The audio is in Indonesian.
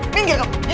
minggir kamu minggir